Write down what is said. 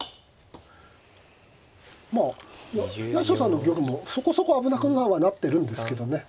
まあ八代さんの玉もそこそこ危なくはなってるんですけどね。